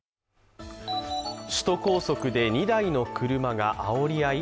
首都高速で２台の車があおり合い？